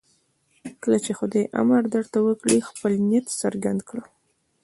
کله چې خدای امر درته وکړي خپل نیت څرګند کړئ.